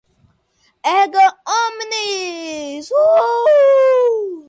erga omnes